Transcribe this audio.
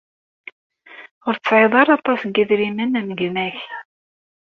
Ur tesɛiḍ aṭas n yedrimen am gma-k.